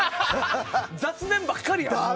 雑念ばっかりやん。